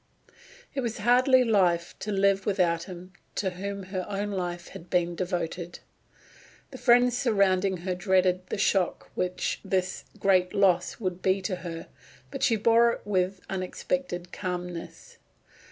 It was hardly life to live without him to whom her own life had been devoted. The friends surrounding her dreaded the shock which this great loss would be to her, but she bore it with unexpected calmness.